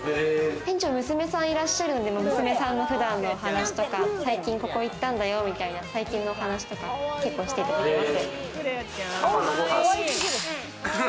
店長、娘さんいらっしゃるんで、普段の話とか、最近ここ行ったんだよみたいな、最近の話とかしてくれます。